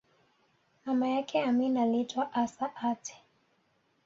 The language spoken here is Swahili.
Mama yake Amin aliitwa Assa Aatte